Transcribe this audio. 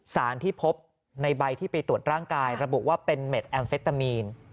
สารที่พบในใบที่ไปตรวจร่างกายระบุว่าเป็นเม็ดแอมเฟตามีน